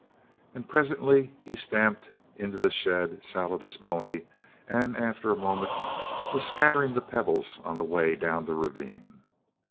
And presently he stamped into the shed, saddled his pony, and after a moment was scattering the pebbles on the way down the ravine.